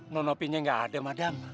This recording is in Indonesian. neng opinya gak ada madam